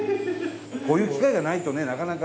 こういう機会がないとねなかなか。